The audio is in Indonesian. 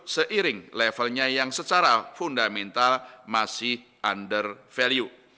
seiring levelnya yang secara fundamental masih under value